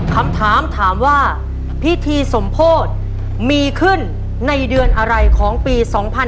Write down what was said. คำถามถามว่าพิธีสมโพธิมีขึ้นในเดือนอะไรของปี๒๕๕๙